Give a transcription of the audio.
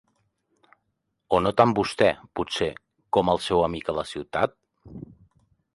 O no tant vostè, potser, com el seu amic a la ciutat?